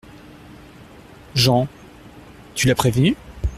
JEAN : Tu l’as prévenue ?